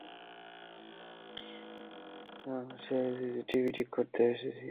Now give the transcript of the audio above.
আমি সিসিটিভি ঠিক করতে এসেছি।